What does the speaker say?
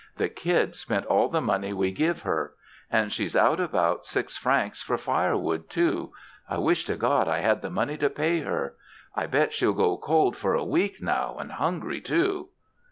The kid spent all the money we give her. And she's out about six francs for firewood, too I wish to God I had the money to pay her. I bet she'll go cold for a week now, and hungry, too.